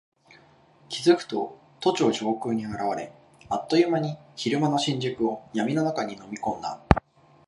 気付くと都庁上空に現れ、あっという間に昼間の新宿を闇の中に飲み込んだ。